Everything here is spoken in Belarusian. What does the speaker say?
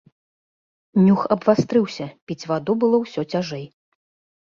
Нюх абвастрыўся, піць ваду было ўсё цяжэй.